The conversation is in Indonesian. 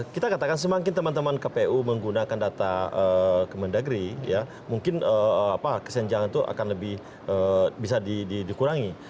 kita katakan semakin teman teman kpu menggunakan data kementerian negeri mungkin kesenjangan itu akan lebih bisa dikurangi